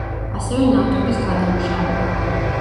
ასევე ნავთობის გადამუშავება.